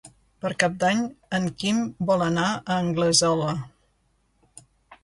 Per Cap d'Any en Quim vol anar a Anglesola.